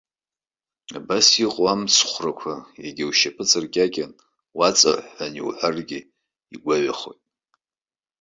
Убас иҟоу амыцхәрақәа, егьа ушьапы ҵыркьакьан, уаҵаҳәҳәан иуҳәаргьы, игәаҩахоит.